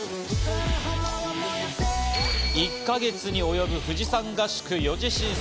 １か月に及ぶ富士山合宿４次審査。